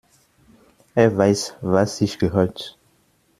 Er weiß, was sich gehört.